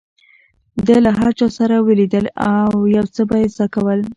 ده له هر چا سره چې ولیدل، يو څه به يې زده کول.